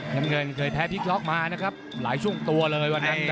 น้ำเงินเคยแพ้พลิกล็อกมานะครับหลายช่วงตัวเลยวันนี้